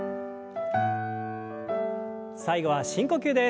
最後は深呼吸です。